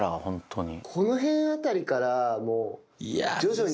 この辺あたりからもう徐々に。